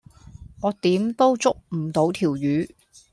我點都捉唔到條魚